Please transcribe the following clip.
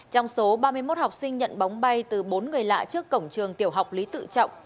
trong số ba mươi một học sinh nhận bóng bay từ bốn người lạ trước cổng trường tiểu học lý tự trọng